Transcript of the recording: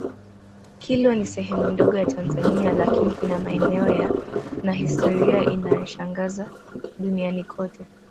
Kilwa ni sehemu ndogo ya Tanzania lakini ina maeneo na historia inayoshangaza duniani kote